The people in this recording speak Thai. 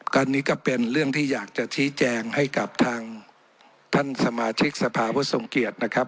อันนี้ก็เป็นเรื่องที่อยากจะชี้แจงให้กับทางท่านสมาชิกสภาพุทธทรงเกียรตินะครับ